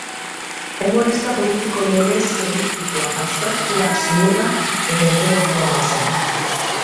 Umorista politiko legez eliptikoa, abstraktua, zuhurra eta intelektuala zen.